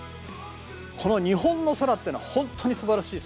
この日本の空っていうのは本当にすばらしい空なんです。